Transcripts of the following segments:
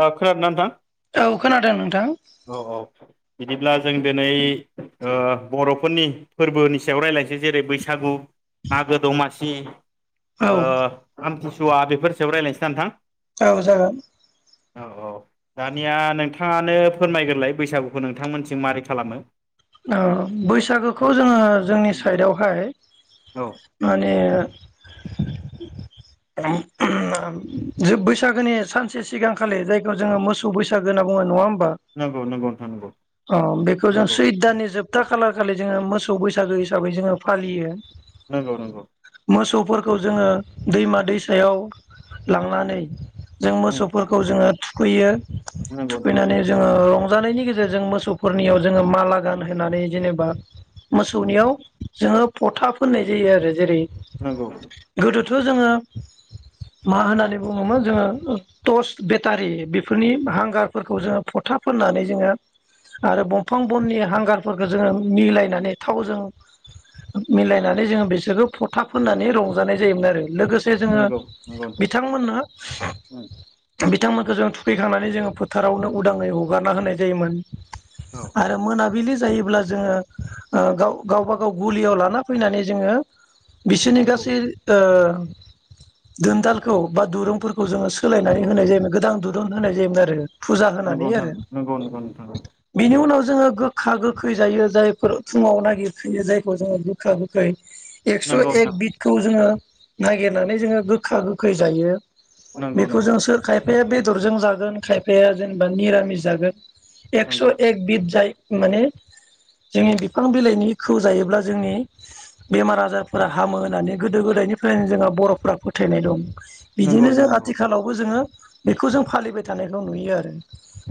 ओ खोनादोंना नोंथां औ खोनादों नोंथां? औ औ बिदिब्ला जों दिनै ओ बर'फोरनि फोरबोनि सायाव रायज्लायनोसै जेरै बैसागु मागो दमासि औ अ आमथि सुवा बेफोरनि सायाव रायलायनोसै नोंथां? औ जागोन। औ औ दानिया नोंथाङानो फोरमायग्रोलाय बैसागुखौ नोंथां मोनथिं माबारै खालामो? ओ औ बैसागोखौ जोङो जोंनि साइड आवहाय माने [unintelligible] बैसागोनि सानसे सिगांखालि जायखौ जोङो मोसौ बैसागो होनना बुङो नङा होम बा नंगौ नंगौ नोंथां नंगौ ओ बेखौ जों सै जोबथा खालार खालि जोङो मोसौ बैसागो हिसाबै जोङो फालियो। नंगौ नंगौ। मोसौ फोरखौ जोङो दैमा दैसायाव लांनानै जों मोसौ फोरखौ जोङो थु खैयो। नंगौ नंगौ नोंथां थुखैनानै जोङो रंजानायनि गेजेरजों जों मोसौ फोरनियाव जोङो माला गानहोनानै जेनेबा मोसौनियाव जोङो फथा फोननाय जायो आरो जेरै नंगौ। थ जोङो मा होन्नानै बुङोमोन जोङो थस बेटारि बेफोरनि हांगार फोरखौ जों फथा फोन्नानै जोङो आरो बंफां बननि हांगार फोरखो जोङो मिलायनानै थावजों मिलायनानै जोङो बिसोरखौ फथा फोननानै रंजानाय जायोमोन आरो। लोगोसे जोङो नंगौ नंगौ नंगौ नोंथां बिथां मोननो औ बिथां मोनखौ जोङो थुखै खांनानै जोङो फोथारावनो उदाङै हगारना होनाय जायोमोन। आरो मोना बिलि जायोब्ला जोङो ओ गावबा गाव गलियाव लाना फैनानै जोङो बिसोरनि नंगौ गासै ओ दोनदालखौ बा दुरुंफोर जोङो सोलायनानै नंगौ होनाय जायोमोन गोदान दुरुं दन होनाय जायोमोन आरो फुजा होनानै नंगौ नोंथां आरो नंगौ नंगौ नोंथां बिनि उनाव जोङो गो गोखा गोखै जायो जायफोर फुङाव नागिरफैयो जायखौ जोङो गोखा गोखै एक्स' नंगौ नोंथां एक बिदखौ जोङो नागिरनानै जोङो गोखा गो खैजायो नंगौ बेखौ नंगौ जों नोंथां सोर खायफाया बेदरजों जागोन खायफाया जेनेबा मिरामिस जागोन एकस' नंगौ ए बिद जाय माने जोंनि बिफां बिलाइनिखौ जायोब्ला जोंनि बेमार आजारफोरा हामो होननानै गोदो गोदायनिफ्रायनो जोंहा बर'फोरा फोथायनाय दं। नंगौ बिदिनो जो नोंथां आथिखालावबो जोङो। बेखौ जो फालिबाय थानायखौ नुयो आरो।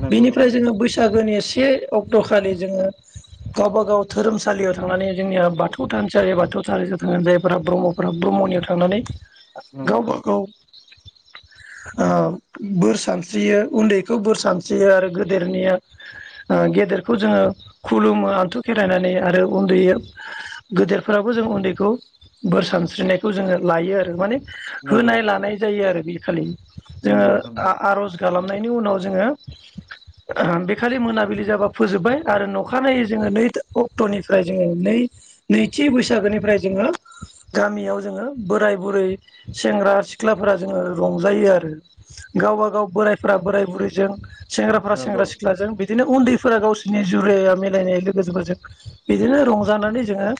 नंगौ बेनिफ्राय जोङो नंगौ बैसागोनि सि ए ओग दखालि जोङो गावबा गाव धोरोमसालियाव थांनानै जोंनिया बाथौ थानसालि बाथौ सारि जा थाङो जायफोरा ब्रह्मफोरा ब्रह्मनियाव थांनानै आ गावबा गाव ओ बोर सानस्रियो उन्दैखौ बोर सानस्रियो आरो गेदेरनिया ओ गेदेर खौ जोङो खुलुमो आन्थु खेरायनानै आरो उन्दै गेदेरफोरावबो जों उन्दैखौ बोर सानस्रिनायखौ जोङो लायो आरो माने नंगौ होनाय लानाय जायो आरो। बि खालि। जोङो नोंथां आ-आर'ज गा खालामनायनि उनाव जोङो ओ बेखालि मोनाबिलि जाबा फोजोबबाय आरो अखानायै जोङो नै अक्ट'निफ्राय जोङो नै नैथि बैसागोनिफ्राय जोङो गामियाव जोङो बोराय बुरै सेंग्रा सिख्लाफोरा जोङो रंजायो आरो गावबागाव बोरायफोरा बोराय बुरैजों सेंग्राफोरा नंगौ सेंग्रा सिख्लाजों बे दिनो अलदि फोरा गावसिनि जुराया मिलायनाय लोगोफोरजों बिदिनो रंजानानै जोङो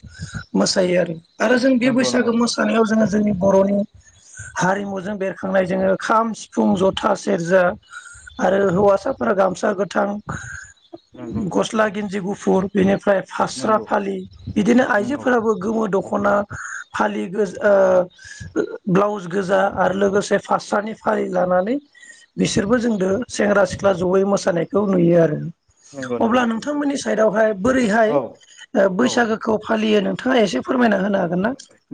मोसायो आरो। आरो जों बे नंगौ नंगौ बैसागो नोंथां मोसानायाव जोङो जोंनि बर'नि हारिमुजों बेरखांनाय जोङो खाम सिफुं जथा सेरजा। आरो हौवासाफोरा गामसा ओ गोथां। नंगौ गस्ला गिन्जि गुफ फुर बेनिफ फ्राय फास्रा नंगौ फालि बिदिनो नंगौ आइजोफोराबो गोमो दख' ख'ना फालि गोज ओ ओ ब्लाउस गोजा आरो लोगोसे फास्रानि फालि लानानै बिसोरबो जोंदो सेंग्रा सिख्ला जयै मोसानायखौ नुयो आरो। नंगौ नोंथां औ नंगौ नोंथां नंगौ अब्ला नोंथां नोंथांमोननि साइडआवहाय बोरैहाय औ ओ बैसागोखौ फालियो नों थाङा एसे फोरमायना होनो हागोन ना?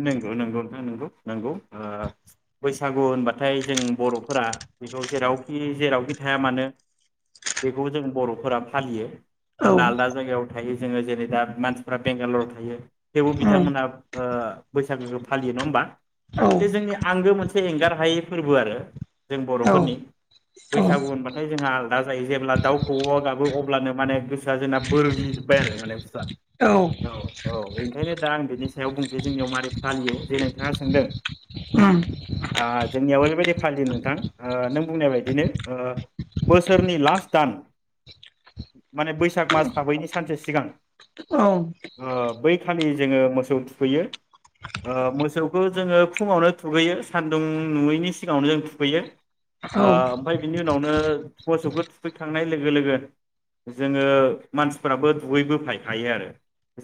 नोंगौ नोंगौ नोंथां नोंगौ। नोंगौ ओ बैसागु होनबाथाय जों बर'फोरा बेखौ जेरावखि जेरावखि थाया मानो बेखौ जों बर'फोरा फालियो। औ आलदा आलदा जायगायाव थायो। जोङो जेरै दा मानसिफ्रा बेंगालराव थायो। थेवबो उम बिथांमोना ओ बैसागोखो फालियो नङा ओमबा। औ बे जोंनि आंगो मोनसे एंगार हायि फोर्बो आरो। जों औ बर'फोरनि औ उम बैसागु होनबाथाय जोंहा आ जायो जेब्ला दाउखौऔआ गाबो अब्लानो माने गोस सा जोंना बोरग्लि जोबबाय आरो माने बुसथुवा औ औ एंखायनो दा आं बिनिस [unintelligible] बुंसै जोंनियाव मारै फालियो जे नोंथाङा सोंदों आ जोंनियाव ओरैबायदि फालियो नोंथां आ नों बुंनाय बायदिनो ओ बोसोरनि लास्ट दान माने बैसाग मास हाबैनि सानसे सिगां औ ओ बैखालि जोङो मोसौ थु खैयो। ओ मोसौखो जोङो फुङावनो थुगैयो सान्दुं नुयैनि सिगाङावनो जों थुगैयो। आ ओमफाय बिनि उनावनो मोसौखो थु सफैखांनाय लोगो लोगो जोङो मानसिफ्राबो दुगैबो फायखायो आरो।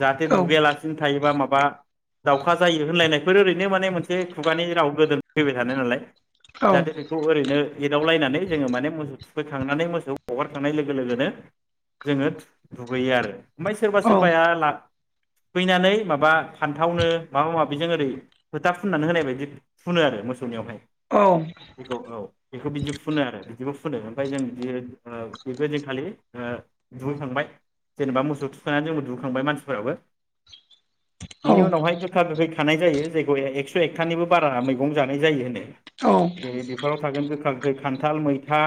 जाहाथे दुगायालासिनो थायोबा माबा बा दावखा जायो होनलायनायफोर ओरैनो माने मोनसे खुगानि राव गोदो फैबाय थानायनालाय औ जाहाथे बेखौ ओरैनो एदावलायनानै जोङो माने मोसौ थु फैखांनानै मोसौ हगारखांनाय लोगो लोगोनो जोङो दुगैयो आरो। ओमफाय सोरबा औ सोरबाया ला फैनानै माबा फान्थावनो माबा माबिजों ओरै फोथा फुननानै होनाय बायदि फुनो आरो मोसौनियावहाय बेखौ औ बेखौ बिदि फुनो आरो बिखौ फुनो ओमफ्राय जों बि बेखौ जों खालि दुहैखांबाय जेनेबा मोसौ थुखांनानै जोंबो दुहैखांबाय मानसिफोराबो औ बिनि उनावहाय गोखा गोखै [unintelligible] जायो जायखौ एकस' एकथानिबो बारा मैगं जानाय जायो होनो, औ जेरै बेफोराव थागोन गोखा खान्थाल मैथा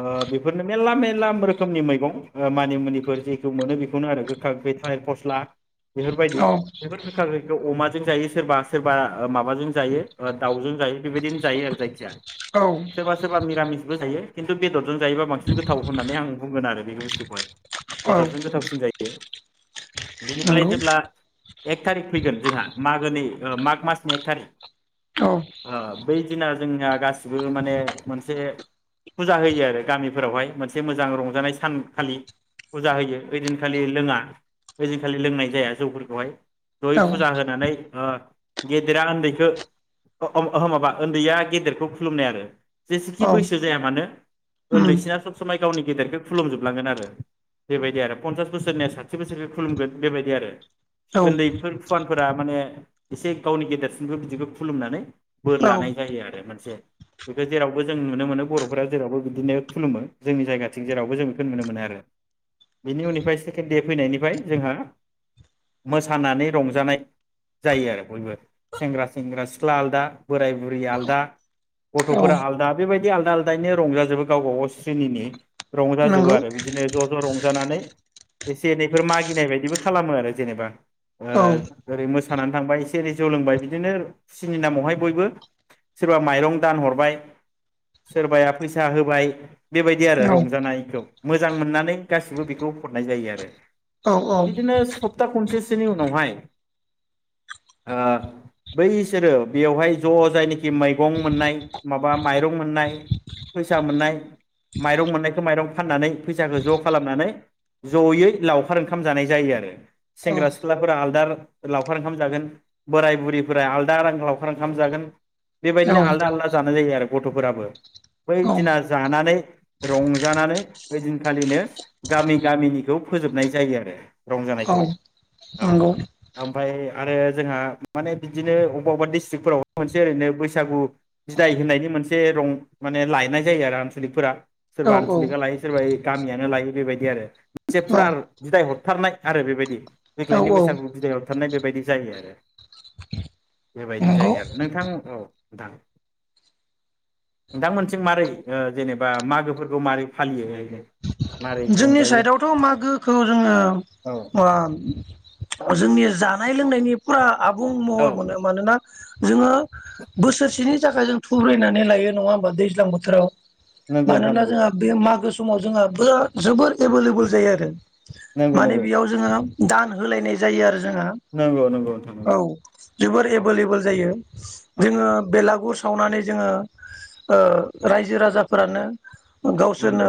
ओ बेफोरनो मेरला मेरला रोखोमनि मैगं मानिमुनिफोर जेखौ मोनो बेखौनो आरो गोखा गोखै थालिर फस्ला, बेफोरबायदि औ [unintelligible] अमाजों जायो सोरबा सोरबा माबाजों जायो दाउजों जायो। बेबायदिनो जायो आरो जायखिजाया औ सोरबा सोरबा मिरामिसबो जायो। खिन्थु बेदर [unintelligible] जायोबा बांसिन गोथाव होननानै आं बुंगोन आरो [unintelligible] बेदरजों गोथावसिन जायो। बेनिफ्लाय नंगौ जेब्ला। एक थारिक फैगोन जोंहा मागोनि माग मासनि एक थारिक। औ ओ बै दिना जोंना गासिबो माने मोनसे फुजा होयो आरो गामिफोरावहाय मोनसे मोजां रंजानाय सानखालि फुजा होयो ओइदिनखालि लोङा ओइदिनखालि लोंनाय जाया जौफोरखौहाय। ज'यै औ फुजा होनानै ओ गेदेरा ओन्दैखो [unintelligible] माबा ओन्दैया गेदेरखौ खुलुमनाय आरो। जेसेखि औ बैसो जाया मानो उम ओन्दैसिना सब समाय। गावनि गेदेरखौ खुुमजोबलांगोन आरो बेबायदि आरो पन्सास बोसोरनिया साथि बोसोरखौ खुलुमगोन बेबायदि आरो। औ ओन्दैफोर फुवान। फोरा माने एसे गावनि गेदेरसिमबो बिदिखौ खुलुमनानै। बोर औ लानाय जायो आरो मोनसे। बेखौ जेरावबो जों नुनो मोनो बर'फोरा जेरावबो बिदिनो खुलुमो जोंनि जायगाथिं जेरावबो जों बेखौ नुनो मोनो आरो बिनि उननिफ्राय सेकेण्ड दे फैनायनिफाय जोंहा। मोसानानै रंजानाय जायो आरो बयबो सेंग्रा सेंग्रा सिख्ला आलादा बोराय बुरि आलादा औ गथ'फोरा आलादा बेबायदि आलादा आलदायैनो रंजाजोबो गावब गाव सनिनि रंजाजोबो नंगौ आरो बिदिनो ज' ज' रंजानानै एसे एनैफोर मागिनाय बायदिबो खालामो आरो जेनेबा। ओ औ ओरै मोस सानानै थांबाय एसे एै जौ लोंबाय बिदिनो खुसिनि नामावहाय बयबो सोरबा माइरं दानहरबाय सोरबाया फैसा होबाय। बेबायदि आरो औ रंजानायखौ। मोजां मोननानै गासिबो बेखौ हरनाय जायो आरो। औ बिदिनो सप्ता खनसे सो खनसेनि उनावहाय ओ बैसोरो बेयावहाय ज' जायनाखि मैगं मोननाय माबा माइरं मोननाय फैसा मोननाय माइरं मोननायखौ माइरं फाननानै फैसाखौ ज' खालामनानै ज'यै लावखार ओंखाम जानाय जायो आरो सेंग्रा से ख्लाफोरा आलदा लावखार ओंखाम जागोन बोराय बुरैफोरा आलदा रां लावखार ओंखाम जागोन। औ बेबायदिनो आलदा-आलदा जानाय जायो आरो। गथ'फोराबो बै दिना औ जानानै रंजानानै बै दिनखालिनो गामि गामिनिखौ फोजोबनाय जायो आरो। औ रंजानायखौहाय। औ नंगौ। ओमफ्राय आरो जोंहा माने बिदिनो अबेबा अबेबा डिस्ट्रिकफोराव मोनसे ओरैनो बैसागु बिदाय होननायनि मोनसे रं माने लायनाय जायो आरो आनसलिकफोरा सोरबा औ आनसलिकआ औ लायो सोरबा गामियानो लायो बेबायदि आरो मोनसे औ फुरा बिदाय हरथारनाय आरो बेबायदि। देग्लायनि बैागु बिदायआव थानाय बेबायदि। जायो आरो। बेबायदि नंगौ जायो आरो नोंथां औ। नोथां नोंथां मोनथिं मारै ओ जेनेबा मागोफोरखौ मारै फालियोनो। जोंनि साइडआवथ' मागोखौ जोङो औ ओ जोंनि जानाय लोंनायनि। फुरा। आबुं औ महर मोनो मानोना जोङो बोसोरसेनि थाखाय जों थुब्रायनानै लायो नङा होमबा दैज्लां बोथोराव। नंगौ नोंथां मानोना नंगौ जोंहा बे मागो स समाव जोंहा बेरा जोबोर एभेलेबोल जायो आरो। नंगौ माने नंगौ बेयाव जोङो। दान होलायनाय जायो आरो। जोङो नंगौ नंगौ नोंथां औ नंगौ जोबोर औ एभोलेबोल जायो औ जोंङो बेलागुर सावनानै जोङो ओ रायजो राजाफोरानो। नंगौ गावसोरनो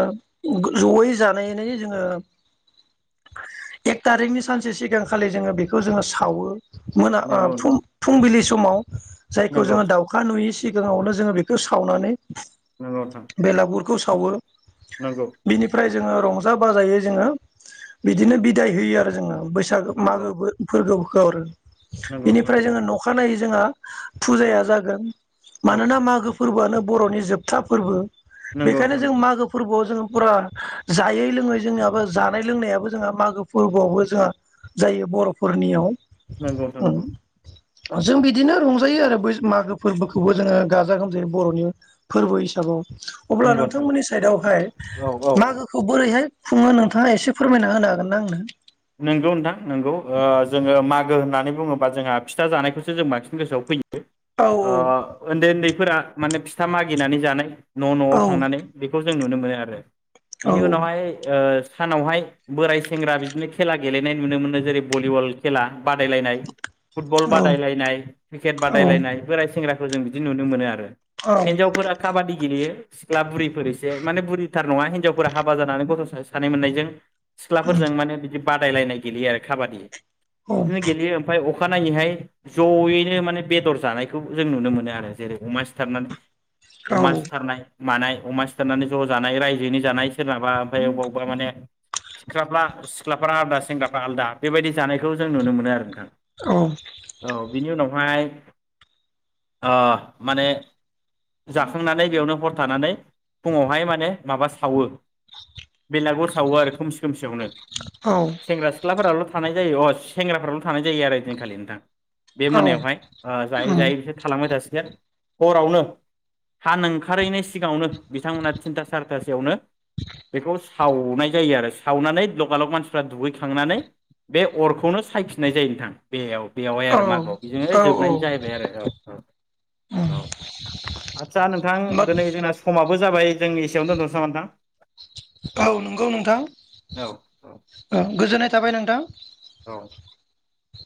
गो जयै जानायनै जोङो एक थारिखनि सानसे सिगांखालि जोङो बेखौ जोङो सावो मोना नंगौ नोंथां फ फुंबिलि समाव जायखौ नंगौ जोङो दाउखा नुयै सि सिगाङावनो जोङो बेखौ सावनानै नंगौ नोंथां। बेखौ सावो नंगौ। जोंङो रंजा बान्जायै जोंङो बिदिनो बिदाय होयो आरो जोङो बै बैसागो औ औ मागो फोरगौ। गर नंगौ नोंथां बिनिफ्राय नंगौ जोङो नखानायै जोंहा औ फुजाया जागोन औ मानोना मागो फोरबोआनो बर'नि जोबथा फोरबो नंगौ बेखायनो नोंथां जों नंगौ मागो फोरबोआव जों फुरा जायै लोङै जोंनियाबो जानाय लोंनायाबो जोंहा मागो फोरबोआवबो जोंहा जायो बर'फोरनियाव नंगौ नोंथां नंगौ जों बिदिनो रंजायो आरो बै मागो फोरबोखौबो जोङो गाजा गोमजायै बर'नि फोरबो हिसाबाव अब्ला नंगौ नोंथां नोंथांमोननि साइडआवहाय औ औ मा ओरैहाय खुङो नोंथाङा एसे फोरमायना होनो हागोन ना आंनो नंगौ नोंथां नंगौ ओ जोङो मागो होननानै बुङोबा जोंहा फिथा जानायखौसो जों बांसिन गोसोआव फैयो औ ओ उन्दै उन्दैफोरा माने फिथा मागिनानै जानाय न' न'आव औ थांनानै बेखौ जों नुनो मोनो आरो बिनि उनावहाय ओ सानावहाय बोराय सेंग्रा बिदिनो खेला गेलेनाय नुनो मोनो जेरै भलिबल खेला बादायलायनाय फुटबल बादायलायनाय क्रिकेट बादायलायनाय बोराय सेंग्रा- खौ जों बिदि नुनो मोनो आरो औ हिनजावफोरा काबादि गेलेयो सिख्ला बुरैफोर एसे माने बुरि- थार नङा हिजावफोरा हाबा जानानै गथ' ओ सानै मोननायजों सिख्लाफोरजों माने बिदि- बादायलायनाय गेलेयो आरो खाबादि औ बिदिनो गेलेयो ओमफाय अखानायैहाय जयैनो माने बेदर जानायखौ जों नुनो मोनो आरो जेरै अमा सिथारनानै औ अमा सिथारनाय मानाय अमा सिथारनानै ज' जानाय रायजोयैनि जानाय सोरनाबा ओमफाय अबा अबावबा माने सिख्लाफ्रा सि- ख्लाफ्रा आलदा सेंग्राफ्रा आलदा बेबायदि जानायखौ जों नुनो मोनो आरो नोंथां औ औ बिनि उनावहाय ओ माने जाखांनानै बेयावनो हर थानानै फुङावहाय माने माबा सावो बेलागुर सावो आरो खोम सियावनो औ सेंग्रा सिख्लाफोराबो थानाय जायो अ सेंग्राफ्राल' थानाय जायो आरो ओइदिनखालि नोंथां। बे औ मोनायावहाय ओ जायै जायै बिसोर थालांबाय थासिगोन हरावनो हान ओंखारहैनाय सिगाङावनो बिथांमोना थिनथा सारिथासोयावनो बेखौ सावनाय जायो आरो सावनानै ल गालक मानसिफ्रा दुगैखांनानै बे अरखौनो सायफिननाय जायो नोंथां बेयाव बेवहाय आरो औ मागोआव औ बेजोंनो जोबनाय उम जाहैबाय आरो औ औ औ आदसा नोंथां होमबा दिनै जोंना समाबो जाबाय जों एसेयाव दोनथ'सो नामा नोंथां। औ नंगौ नोंथां। नोंथां औ ओ गोजोननाय थाबाय नोंथां। औ